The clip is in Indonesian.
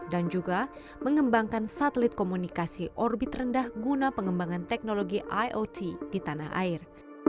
dan juga mengembangkan satelit komunikasi orbit rendah guna pengembangan teknologi iot di tanah air